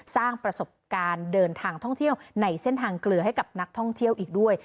สร้างประสบการณ์เดินทางท่องเที่ยวในเส้นทางเกลือให้กับนักท่องเที่ยวอีกด้วย